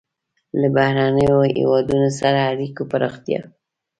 له بهرنیو هېوادونو سره اړیکو پراختیا.